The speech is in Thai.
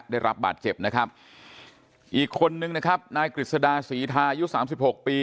ได้รับบาดเจ็บนะครับอีกคนนึงนะครับนายกฤษดาศรีทายุสามสิบหกปี